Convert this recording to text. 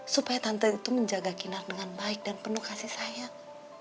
supaya tante itu menjaga kinar dengan baik dan penuh kasih sayang